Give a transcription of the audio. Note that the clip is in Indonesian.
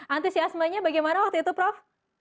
antusiasmenya bagaimana waktu itu prof